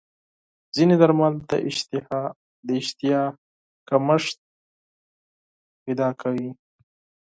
ځینې درمل د اشتها کمښت پیدا کوي.